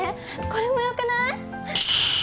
これもよくない？